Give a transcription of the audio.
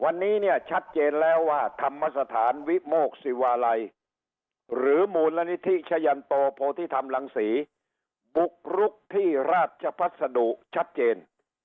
วันนี้เนี่ยชัดเจนแล้วว่าธรรมสถานวิโมกศิวาลัยหรือมูลนิธิชะยันโตโพธิธรรมรังศรีบุกรุกที่ราชพัสดุชัดเจน